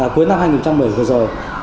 cuối năm hai nghìn một mươi vừa rồi